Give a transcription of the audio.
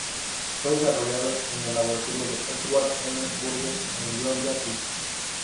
Fue desarrollado en el laboratorio de Edward M. Burgess en Georgia Tech.